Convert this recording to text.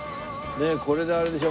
これであれでしょ？